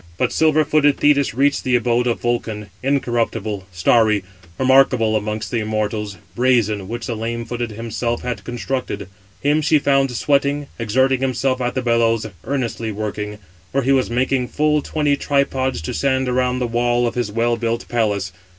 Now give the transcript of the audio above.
But silver footed Thetis reached the abode of Vulcan, incorruptible, starry, remarkable amongst the immortals, brazen, which the lame footed himself had constructed. Him she found sweating, exerting himself at the bellows, earnestly working; for he was making full twenty tripods to stand around the wall of his well built palace.